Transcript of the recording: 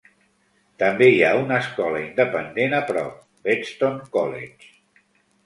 També hi ha una Escola Independent a prop, Bedstone College.